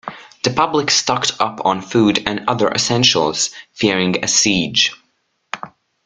The public stocked up on food and other essentials, fearing a siege.